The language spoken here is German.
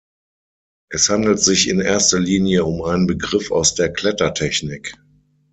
Es handelt sich in erster Linie um einen Begriff aus der Klettertechnik.